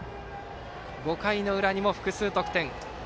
５回の裏にも複数得点。